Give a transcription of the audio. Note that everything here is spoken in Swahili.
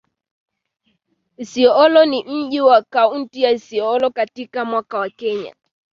Isiolo ni mji wa kaunti ya Isiolo katikati mwa Kenya